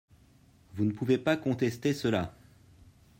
Vous ne pouvez pas contester cela